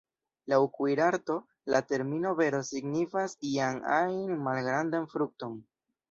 Laŭ kuirarto, la termino ""bero"" signifas ian ajn malgrandan frukton.